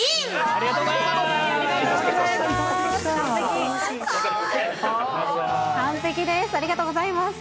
ありがとうございます。